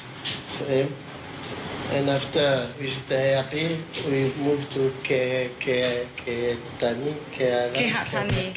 และฉันทำงานและเธอต้องรักชีวิตชีวิตชีวิตชีวิตชีวิตชีวิต